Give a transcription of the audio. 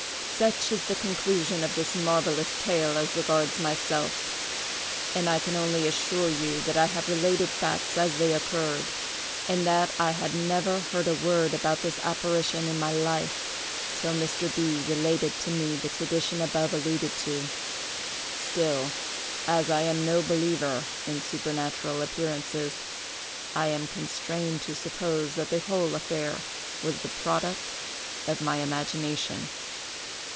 "Such is the conclusion of this marvellous tale as regards myself; and I can only assure you that I have related facts as they occurred, and that I had never heard a word about this apparition in my life, till Mr. B—— related to me the tradition above alluded to. Still, as I am no believer, in supernatural appearances, I am constrained to suppose that the whole affair was the product of my imagination.